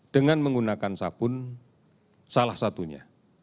dengan menggunakan sabun salah satunya